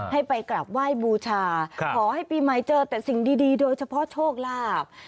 ให้ไปกลับไหว้บูชาขอให้ปีใหม่เจอแต่สิ่งดีโดยเฉพาะโชคลาภ